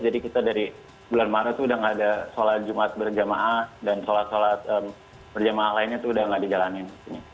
jadi kita dari bulan maret tuh udah nggak ada sholat jumat berjamaah dan sholat sholat berjamaah lainnya tuh udah nggak digalanin